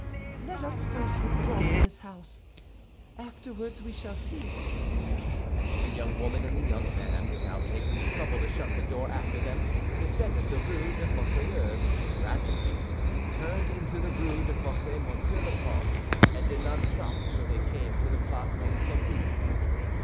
"Let us first withdraw from this house; afterward we shall see." The young woman and the young man, without taking the trouble to shut the door after them, descended the Rue des Fossoyeurs rapidly, turned into the Rue des Fossés Monsieur le Prince, and did not stop till they came to the Place St. Sulpice.